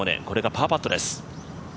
これがパーパットです。